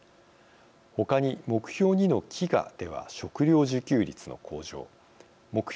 他に目標２の飢餓では食料自給率の向上目標